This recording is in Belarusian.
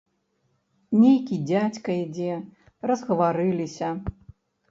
Нейкі дзядзька ідзе, разгаварыліся.